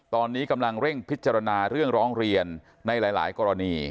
ตอนนี้กำลังเร่งพิจารณาเรื่องร้องเรียนในหลายกรณี